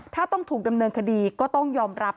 ถ้าต้องถูกดำเนินคดีก็ต้องยอมรับ